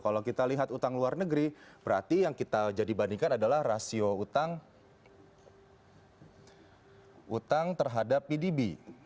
kalau kita lihat utang luar negeri berarti yang kita jadi bandingkan adalah rasio utang terhadap pdb